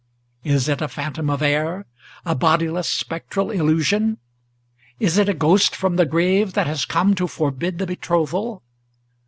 Is it a phantom of air, a bodiless, spectral illusion? Is it a ghost from the grave, that has come to forbid the betrothal?